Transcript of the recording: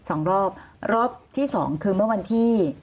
สองรอบรอบที่สองคือเมื่อวันที่